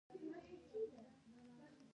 دیني افسانې د غلامۍ مشروعیت ورکړ.